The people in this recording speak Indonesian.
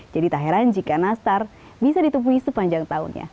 jadi tak heran jika nastar bisa ditemui sepanjang tahunnya